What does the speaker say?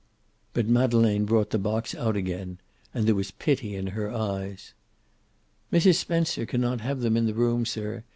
But Madeleine brought the box out again, and there was pity in her eyes. "Mrs. Spencer can not have them in the room, sir.